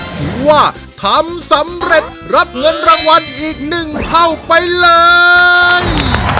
ถือว่าทำสำเร็จรับเงินรางวัลอีก๑เท่าไปเลย